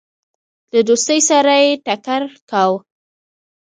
د دوستی سره یې ټکر کاوه.